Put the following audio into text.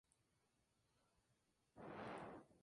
Su paso por el cine fue muy esporádico.